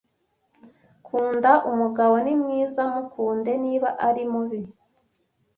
kunda umugabo ni mwiza mukunde niba ari mubi